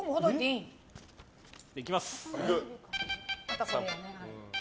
いきます。